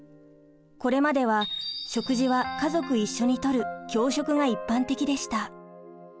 これまでは食事は家族一緒にとる共食が一般的でした。